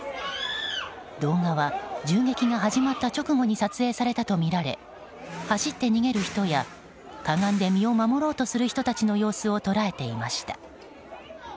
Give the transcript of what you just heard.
動画は銃撃が始まった直後に撮影されたとみられ走って逃げる人や、かがんで身を守ろうとする人たちの様子を捉えていました。